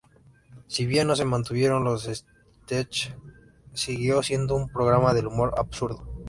Si bien no se mantuvieron los "sketches", siguió siendo un programa de humor absurdo.